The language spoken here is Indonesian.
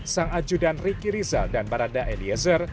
sang ajudan riki rizal dan barada eliezer